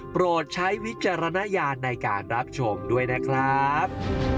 โปรดใช้วิจารณญาณในการรับชมด้วยนะครับ